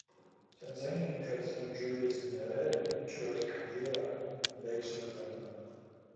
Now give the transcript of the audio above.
Tanzanian President Julius Nyerere toured Kagera in late November.